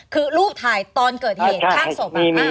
คือรูปถ่ายตอนเกิดเหตุข้างศพ